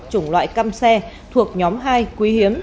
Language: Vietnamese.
chủng loại căm xe thuộc nhóm hai quý hiếm